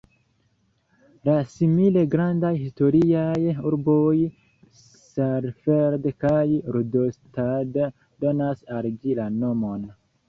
La simile grandaj historiaj urboj Saalfeld kaj Rudolstadt donas al ĝi la nomon.